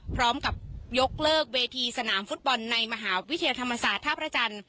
พร้อมกับยกเลิกเวทีสนามฟุตบอลในมหาวิทยาลัยธรรมศาสตร์ท่าพระจันทร์